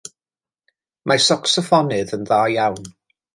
Mae'r sacsoffonydd yn dda iawn.